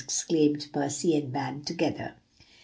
exclaimed Percy and Van together.